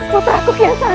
putra aku kian santan